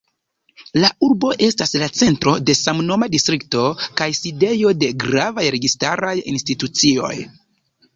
La urbo estas la centro de samnoma distrikto, kaj sidejo de gravaj registaraj institucioj.